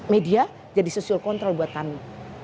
media jadi social control buat kami